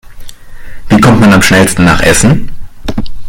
Wie kommt man am schnellsten nach Essen?